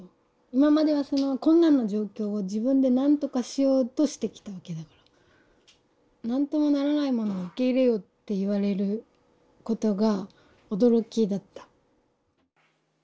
今まではその困難な状況を自分でなんとかしようとしてきたわけだから。何ともならないものを受け入れよって言われることが驚きだった。